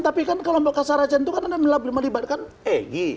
tapi kan kelompok kasarajan itu kan ada melibatkan egy